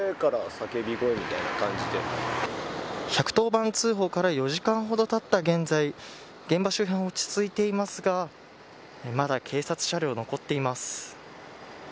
１１０番通報から４時間ほどたった現在現場周辺を落ち着いていますがまだ警察車両が残っています。